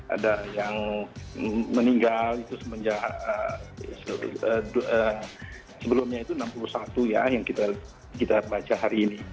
ada yang meninggal itu semenjak sebelumnya itu enam puluh satu ya yang kita baca hari ini